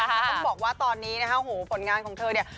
ต้องบอกว่าตอนนี้นะคะโหผลงานของเธอเนี่ย